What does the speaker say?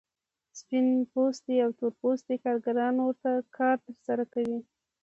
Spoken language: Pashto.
سپین پوستي او تور پوستي کارګران ورته کار ترسره کوي